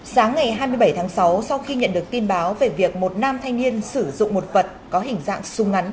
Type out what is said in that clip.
sáng ngày hai mươi bảy tháng sáu sau khi nhận được tin báo về việc một nam thanh niên sử dụng một vật có hình dạng súng ngắn